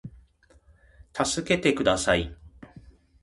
たすけてください